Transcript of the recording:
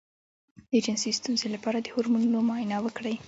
د جنسي ستونزې لپاره د هورمونونو معاینه وکړئ